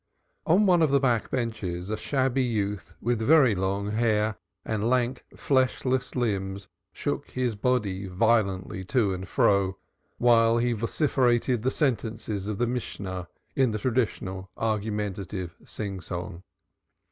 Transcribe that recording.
On one of the black benches a shabby youth with very long hair and lank fleshless limbs shook his body violently to and fro while he vociferated the sentences of the Mishnah in the traditional argumentative singsong.